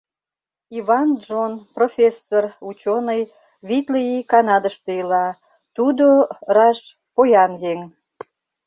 Иван-Джон, профессор, учёный, витле ий Канадыште ила, тудо, раш, поян еҥ.